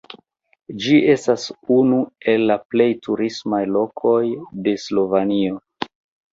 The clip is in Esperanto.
Ĝi estas unu el la plej turismaj lokoj de Slovenio.